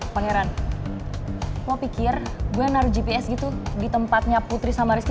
pak heran lo pikir gue naruh gps gitu di tempatnya putri sama rizky